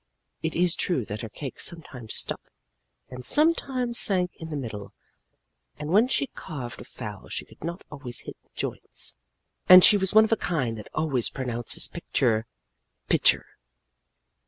It is true that her cake sometimes stuck, and sometimes sank in the middle, and when she carved a fowl she could not always hit the joints. And she was one of the kind that always pronounces picture, "pitcher."